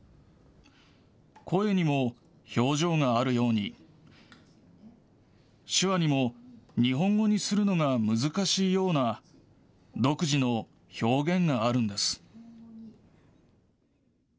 声にも表情があるように、手話にも日本語にするのが難しいような独自の表現があるんです。